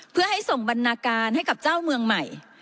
เพื่อให้ส่งบรรณาการให้กับเจ้าเมืองใหม่